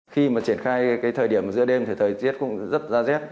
khi mà triển khai cái thời điểm giữa đêm thì thời tiết cũng rất ra rét